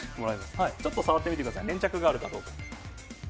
ちょっと触ってみてください、粘着があるかどうか。